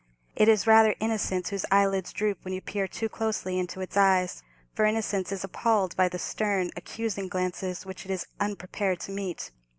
It is rather innocence whose eyelids drop when you peer too closely into its eyes, for innocence is appalled by the stern, accusing glances which it is unprepared to meet.